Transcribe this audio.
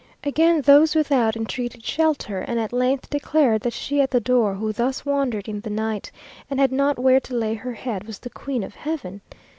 Again those without entreated shelter, and at length declared that she at the door, who thus wandered in the night, and had not where to lay her head, was the Queen of Heaven!